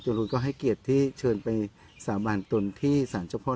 จรูนก็ให้เกียรษที่เชิญไปสาบาณตนที่สันจพรรรรร์